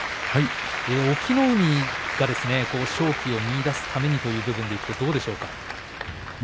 隠岐の海が勝機を見いだすためにという部分でいうとどうでしょうか？